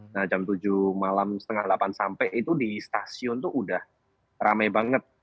nah jam tujuh malam setengah delapan sampai itu di stasiun itu udah ramai banget